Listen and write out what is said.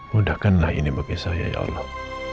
mudahkanlah ini bagi saya ya allah